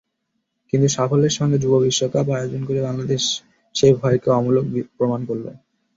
কিন্তু সাফল্যের সঙ্গে যুব বিশ্বকাপ আয়োজন করে বাংলাদেশ সেই ভয়কে অমূলক প্রমাণ করল।